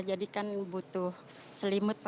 jadi kan butuh selimut